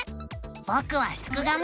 ぼくはすくがミ。